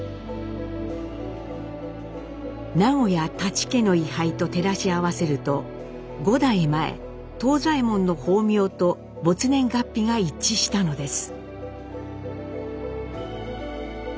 名古屋舘家の位牌と照らし合わせると５代前藤左ヱ門の法名と没年月日が一致したのです。